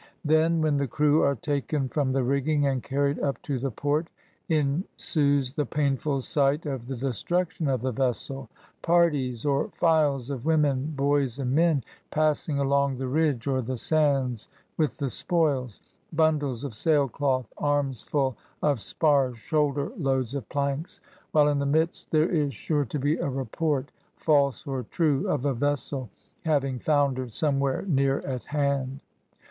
Then, when the crew are taken from the rigging, and carried up to the port, ensues the painful sight of the destruction of the vessel ; parties, or files of women, boys, and men, passing along the ridge or the sands with the spoils; bundles of sailclqth, armsful of spars, shoulder loads of planks ; while, in the midst, there is sure to be a report, false or true, of a vessel having foundered, somewhere near at hand.